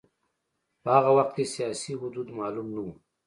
په هغه وخت کې سیاسي حدود معلوم نه و.